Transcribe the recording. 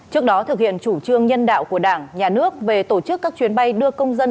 trước đó thực hiện chủ trương nhân đạo của đảng nhà nước về tổ chức các chuyến bay đưa công dân